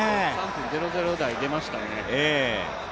００台出ましたね。